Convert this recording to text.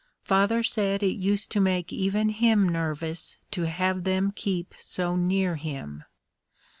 Father said it used to make even him nervous to have them keep so near him.